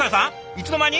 いつの間に？